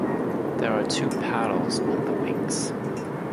There are two "paddles" on the wings.